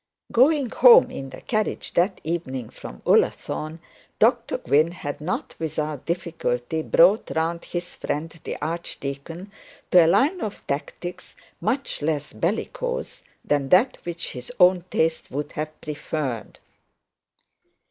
Going home in the carriage that evening from Ullathorne, Dr Gwynne had not without difficulty brought round his friend the archdeacon to a line of tactics much less bellicose than that which his own taste would have preferred.